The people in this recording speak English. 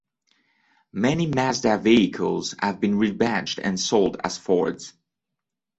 Many Mazda vehicles have been rebadged and sold as Fords.